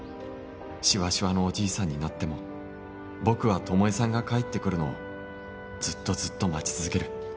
シワシワのおじいさんになっても僕は巴さんが帰ってくるのをずっとずっと待ち続ける